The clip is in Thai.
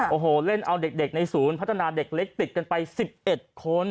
โอ้โหเล่นเอาเด็กในศูนย์พัฒนาเด็กเล็กติดกันไป๑๑คน